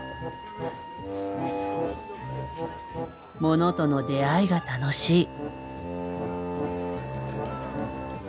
モノとの出会いが楽しい。